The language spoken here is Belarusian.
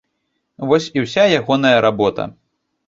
Вось і ўся ягоная работа.